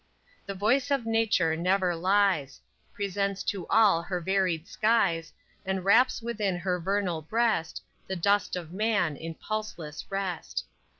_ _The voice of Nature never lies, Presents to all her varied skies, And wraps within her vernal breast The dust of man in pulseless rest.